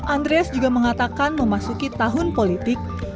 andreas juga mengatakan memasuki tahun politik